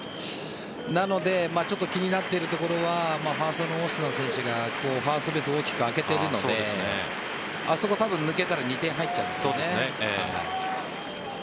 なのでちょっと気になっているところはファーストのオスナ選手がファーストベースを大きく開けているのであそこを抜けたら２点入っちゃうんです。